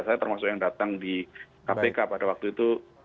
saya termasuk yang datang di kpk pada waktu itu